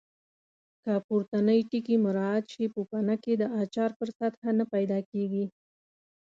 که پورتني ټکي مراعات شي پوپنکې د اچار پر سطحه نه پیدا کېږي.